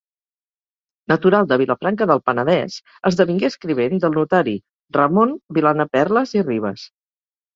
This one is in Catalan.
Natural de Vilafranca del Penedès esdevingué escrivent del notari Ramon Vilana-Perles i Ribes.